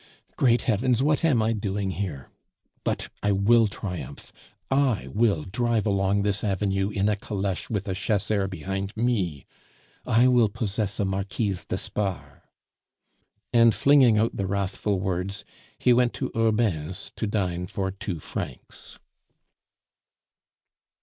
"Great heavens! what am I doing here? But I will triumph. I will drive along this avenue in a caleche with a chasseur behind me! I will possess a Marquise d'Espard." And flinging out the wrathful words, he went to Hurbain's to dine for two francs.